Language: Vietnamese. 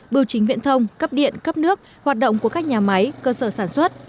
bưu chính viện thông cấp điện cấp nước hoạt động của các nhà máy cơ sở sản xuất